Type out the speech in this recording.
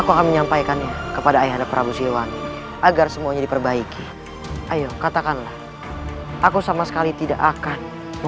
kami bangga punya junjungan seperti raden kian santang